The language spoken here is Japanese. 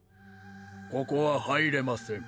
ここは入れません。